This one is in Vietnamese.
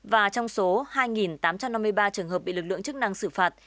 và trong số hai tám trăm năm mươi ba trường hợp bị lực lượng chức năng xử phạt